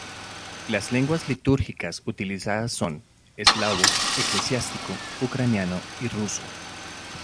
Las lenguas litúrgicas utilizadas son: eslavo eclesiástico, ucraniano y ruso.